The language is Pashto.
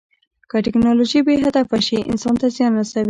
که ټیکنالوژي بې هدفه شي، انسان ته زیان رسوي.